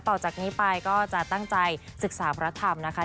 ต่อจากนี้ไปก็จะตั้งใจศึกษาพระธรรมนะคะ